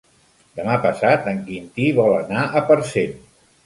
Demà passat en Quintí vol anar a Parcent.